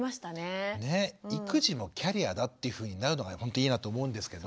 育児もキャリアだっていうふうになるのがほんといいなと思うんですけど。